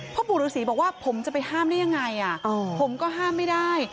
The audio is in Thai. พ่อปู่ฤษฎีบอกว่าผมจะไปห้ามได้ยังไง